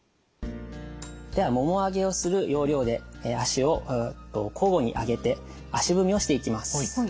ではもも上げをする要領で足を交互に上げて足踏みをしていきます。